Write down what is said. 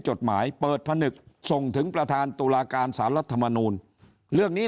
จดหมายเปิดผนึกส่งถึงประธานตุลาการสารรัฐมนูลเรื่องนี้